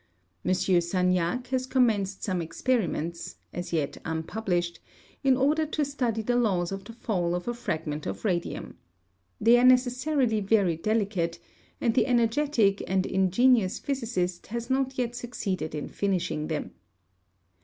M. Sagnac has commenced some experiments, as yet unpublished, in order to study the laws of the fall of a fragment of radium. They are necessarily very delicate, and the energetic and ingenious physicist has not yet succeeded in finishing them.